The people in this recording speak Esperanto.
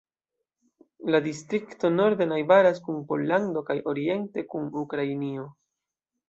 La distrikto norde najbaras kun Pollando kaj oriente kun Ukrainio.